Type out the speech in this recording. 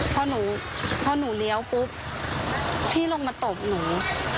พอหนูพอหนูเลี้ยวปุ๊บพี่ลงมาตบหนู